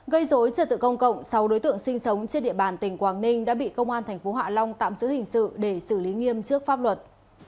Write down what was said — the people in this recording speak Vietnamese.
gây dối trật tự công cộng sáu đối tượng sinh sống trên địa bàn tỉnh quảng ninh đã bị công an tp hạ long tạm giữ hình sự để xử lý nghiêm trước pháp luật